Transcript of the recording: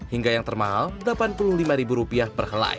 hingga yang termahal delapan puluh lima ribu rupiah per helai